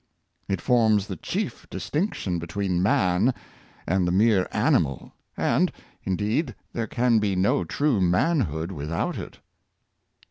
It forms the chief dis tinction between man and the mere animal; and, in deed, there can be no true manhood without it.